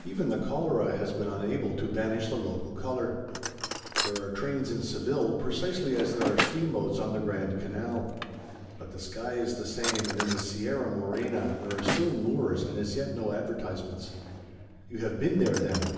Even the cholera has been unable to banish the local color. There are trains in Seville precisely as there are steamboats on the Grand Canal. But the sky is the same, and in the Sierra Morena there are still Moors and as yet no advertisements." "You have been there then?"